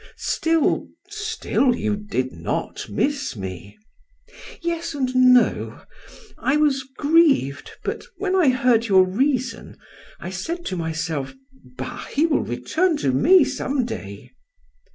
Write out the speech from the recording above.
"Still still you did not miss me." "Yes and no. I was grieved, but when I heard your reason, I said to myself: 'Bah, he will return to me some day.'"